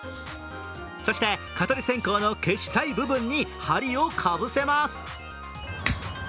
そして、蚊取り線香の消したい部分に針をかぶせます。